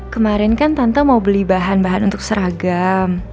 kemarin kan tante mau beli bahan bahan untuk seragam